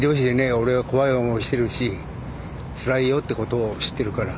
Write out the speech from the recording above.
俺は怖い思いしてるしつらいよってことを知ってるから。